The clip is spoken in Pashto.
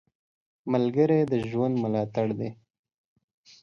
ملګری د ژوند ملاتړ دی